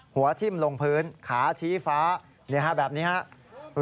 หัวทิ้มลงพื้นขาชี้ฟ้าแบบนี้ครับ